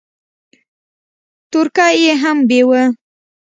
تورکى يې هم بېوه.